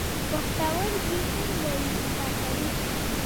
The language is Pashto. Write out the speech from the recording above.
پښتورګي څنګه وینه پاکوي؟